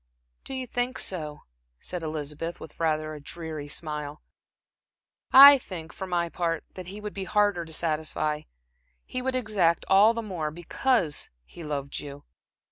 "Do you think so?" said Elizabeth, with rather a dreary smile. "I think, for my part, that he would be harder to satisfy, he would exact all the more, because he loved you."